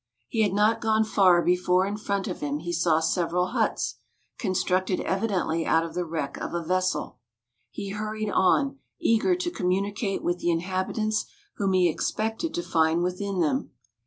He had not gone far before in front of him he saw several huts, constructed evidently out of the wreck of a vessel. He hurried on, eager to communicate with the inhabitants whom he expected to find within them.